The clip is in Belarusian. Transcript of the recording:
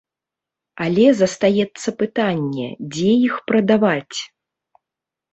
Але застаецца пытанне, дзе іх прадаваць.